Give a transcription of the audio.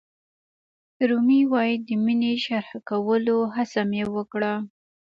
رومي وایي د مینې شرحه کولو هڅه مې وکړه.